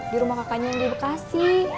di rumah kakaknya yang di bekasi